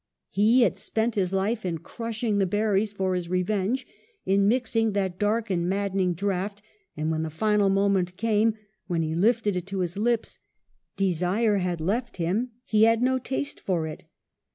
He had spent his life in crushing the berries for his revenge, in mixing that dark and maddening draught ; and when the final moment came, when he lifted it to his lips, desire had left him, he had no taste for it.